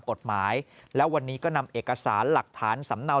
กฎหมายและวันนี้ก็นำเอกสารหลักฐานสำเนา